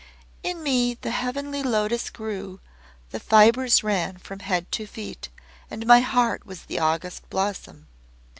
"In me the Heavenly Lotos grew, The fibres ran from head to feet, And my heart was the august Blossom.